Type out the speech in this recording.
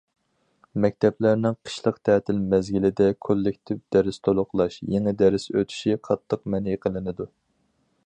مەكتەپلەرنىڭ قىشلىق تەتىل مەزگىلىدە كوللېكتىپ دەرس تولۇقلاش، يېڭى دەرس ئۆتۈشى قاتتىق مەنئى قىلىنىدۇ.